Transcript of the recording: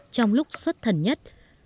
trong lúc xuất thần nhất